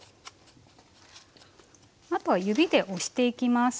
あとは指で押していきます。